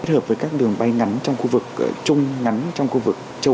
hợp với các đường bay ngắn trong khu vực trung ngắn trong khu vực châu á